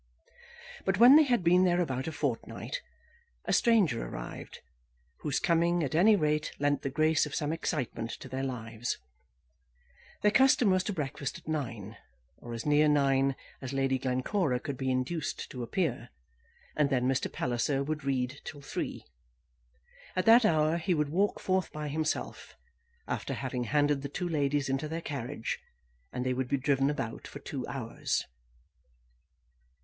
But when they had been there about a fortnight, a stranger arrived, whose coming at any rate lent the grace of some excitement to their lives. Their custom was to breakfast at nine, or as near nine as Lady Glencora could be induced to appear, and then Mr. Palliser would read till three. At that hour he would walk forth by himself, after having handed the two ladies into their carriage, and they would be driven about for two hours.